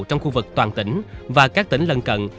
trong khu vực toàn tỉnh và các tỉnh lân cận